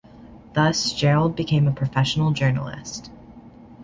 Thus Jerrold became a professional journalist.